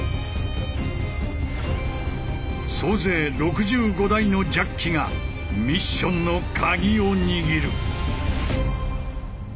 総勢６５台のジャッキがミッションの鍵を握る！